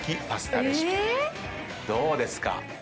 どうですか？